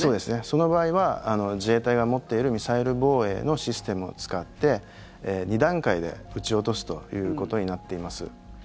その場合は自衛隊が持っているミサイル防衛のシステムを使って２段階で撃ち落とすということになっています。